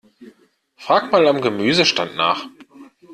Frag mal am Gemüsestand nach.